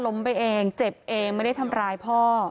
ไปเองเจ็บเองไม่ได้ทำร้ายพ่อ